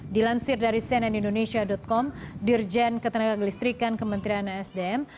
dilansir dari senenindonesia com dirjen ketenagak listrikan kementerian sdm